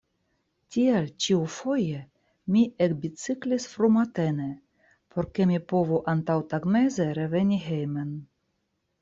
Tial ĉiufoje mi ekbiciklis frumatene, por ke mi povu antaŭtagmeze reveni hejmen.